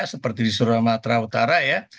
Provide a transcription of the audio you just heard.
seperti di sumatera utara ya